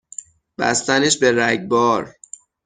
بستنش به رگبار